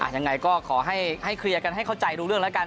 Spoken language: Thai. ยังไงก็ขอให้เคลียร์กันให้เข้าใจรู้เรื่องแล้วกัน